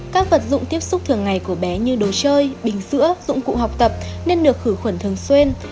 các vật dụng tiếp xúc thường ngày của bé như đồ chơi bình sữa dụng cụ học tập nên được khử khuẩn thường xuyên